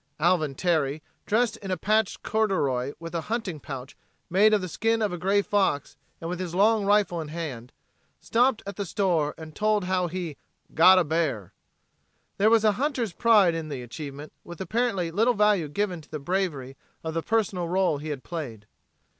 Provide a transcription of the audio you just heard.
Alvin Terry, dressed in a patched corduroy with a hunting pouch made of the skin of a gray fox and with his long rifle in his hand, stopped at the store and told how he "got a bear." There was a hunter's pride in the achievement with apparently little value given to the bravery of the personal role he had played.